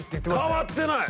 変わってない！